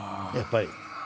やっぱり。